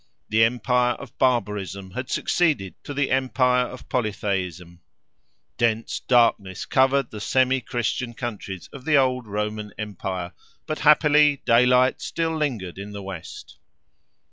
The empire of barbarism had succeeded to the empire of Polytheism; dense darkness covered the semi Christian countries of the old Roman empire, but happily daylight still lingered in the West.